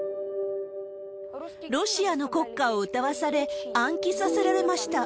ロシアの国歌を歌わされ、暗記させられました。